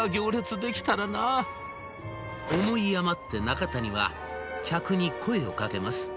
思い余って中谷は客に声をかけます。